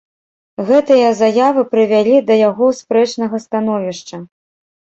Гэтыя заявы прывялі да яго спрэчнага становішча.